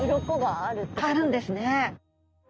あるんですね。